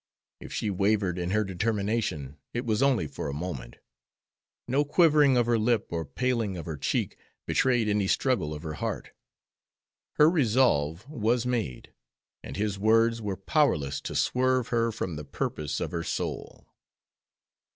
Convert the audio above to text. If she wavered in her determination it was only for a moment. No quivering of her lip or paling of her cheek betrayed any struggle of her heart. Her resolve was made, and his words were powerless to swerve her from the purpose of her soul.